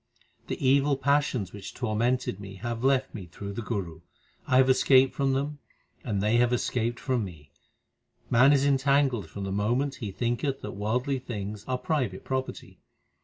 The evil passions which tormented me have left me through the Guru : I have escaped from them, and they have escaped from me. Man is entangled from the moment he thinketh that worldly things are private property.